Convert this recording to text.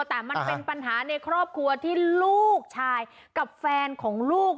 แต่มันเป็นปัญหาในครอบครัวที่ลูกชายกับแฟนของลูก